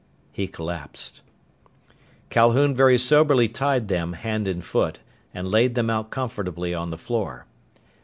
He collapsed. Calhoun very soberly tied them hand and foot and laid them out comfortably on the floor.